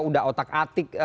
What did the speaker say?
udah otak atik